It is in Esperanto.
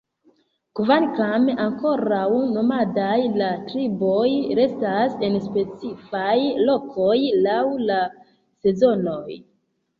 Kvankam ankoraŭ nomadaj, la triboj restas en specifaj lokoj laŭ la sezonoj.